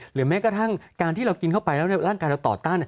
แม้กระทั่งการที่เรากินเข้าไปแล้วร่างกายเราต่อต้าน